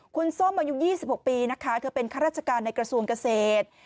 คุณส้มอายุ๒๖ปีนะคะเธอเป็นข้าราชการในกระทรวงเกษตร